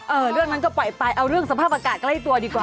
เรื่องนั้นก็ปล่อยไปเอาเรื่องสภาพอากาศใกล้ตัวดีกว่า